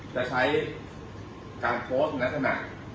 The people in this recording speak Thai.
จะใช้การโพสต์นักสมัคร